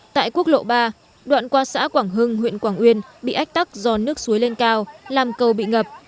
tại quốc lộ ba đoạn qua xã quảng hưng huyện quảng uyên bị ách tắc do nước suối lên cao làm cầu bị ngập